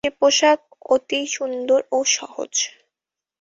সে পোষাক অতি সুন্দর ও সহজ।